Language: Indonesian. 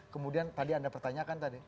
kemudian tadi anda pertanyakan tadi